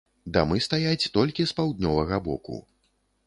Дамы стаяць толькі з паўднёвага боку.